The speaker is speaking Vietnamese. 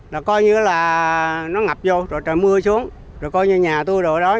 là coi như là nó ngập vô rồi trời mưa xuống rồi coi như nhà tôi rồi đó